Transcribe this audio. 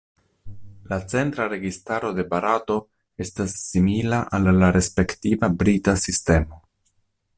La centra registaro de Barato estas simila al la respektiva brita sistemo.